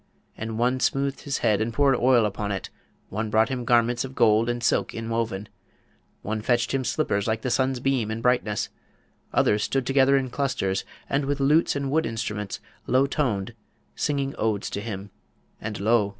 And one smoothed his head and poured oil upon it; one brought him garments of gold and silk inwoven; one fetched him slippers like the sun's beam in brightness; others stood together in clusters, and with lutes and wood instruments, low toned, singing odes to him; and lo!